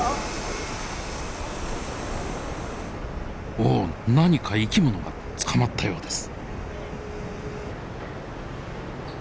おっ何か生き物が捕まったようです。